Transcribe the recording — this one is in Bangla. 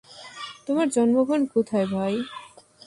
তোমার জন্মস্থান কোথায়, ভাই?